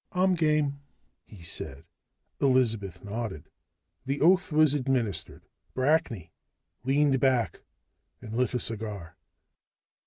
"I'm game," he said. Elizabeth nodded. The oath was administered. Brackney leaned back and lit a cigar.